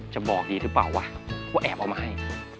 จะบอกดีหรือเปล่าวะก็แอบเอามาให้